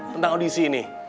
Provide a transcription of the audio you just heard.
tentang audisi ini